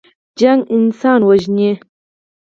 جګړه انسان وژني